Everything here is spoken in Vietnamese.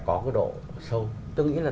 có cái độ sâu tôi nghĩ là